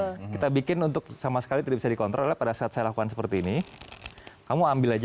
ya kita bikin untuk sama sekali tidak bisa dikontrol pada saat saya lakukan seperti ini kamu ambil aja